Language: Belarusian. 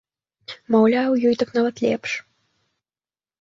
Маўляў, ёй так нават лепш.